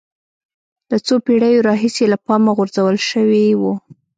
له څو پېړیو راهیسې له پامه غورځول شوی و